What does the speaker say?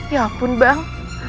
ya ampun bang